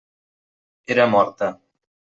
Era morta.